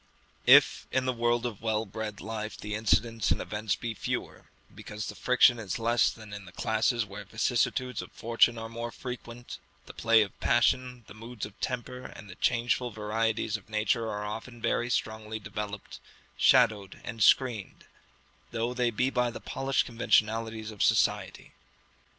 If in the world of well bred life the incidents and events be fewer, because the friction is less than in the classes where vicissitudes of fortune are more frequent, the play of passion, the moods of temper, and the changeful varieties of nature are often very strongly developed, shadowed and screened though they be by the polished conventionalities of society.